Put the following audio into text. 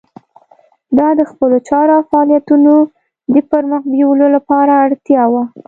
دا د خپلو چارو او فعالیتونو د پرمخ بیولو لپاره اړتیا وه.